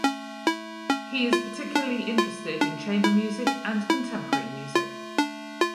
He is particularly interested in chamber music and contemporary music.